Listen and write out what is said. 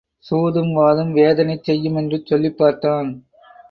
சூதும் வாதும் வேதனை செய்யும் என்று சொல்லிப் பார்த்தான்.